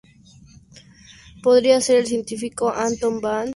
Podría ser el científico Anton van Leeuwenhoek, un amigo del pintor residente en Delft.